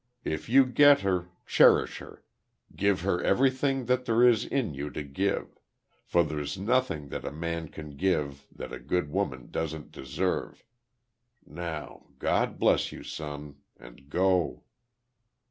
If you get her, cherish her give her everything that there is in you to give for there's nothing that a man can give that a good woman doesn't deserve. Now, God bless you, son and go."